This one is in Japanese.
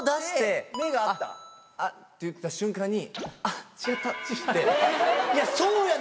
「あ」って言った瞬間に。